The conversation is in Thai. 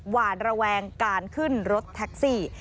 หวานระแวงการขึ้นรถแท็กซี่